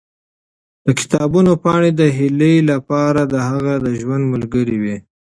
د کتابونو پاڼې د هیلې لپاره د هغې د ژوند ملګرې وې.